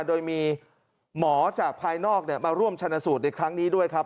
โดยมีหมอจากภายนอกมาร่วมชนะสูตรในครั้งนี้ด้วยครับ